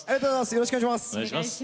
よろしくお願いします。